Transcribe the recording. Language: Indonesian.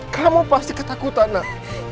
kamu pasti ketakutan nak